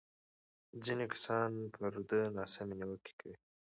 ځینې کسان پر ده ناسمې نیوکې کوي.